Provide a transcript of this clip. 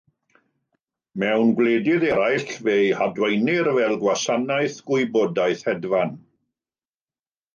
Mewn gwledydd eraill fe'i hadwaenir fel “Gwasanaeth Gwybodaeth Hedfan”.